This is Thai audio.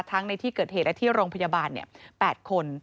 ในที่เกิดเหตุและที่โรงพยาบาล๘คน